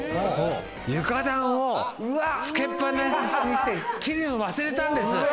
床暖をつけっ放しにしていて切るの忘れたんです。